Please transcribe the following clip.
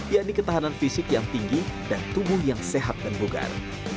yakni ketahanan fisik yang tinggi dan tubuh yang sehat dan bugar